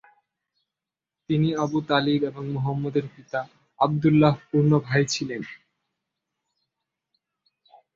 তিনি আবু তালিব এবং মুহাম্মদের পিতা আবদুল্লাহর পূর্ণ ভাই ছিলেন।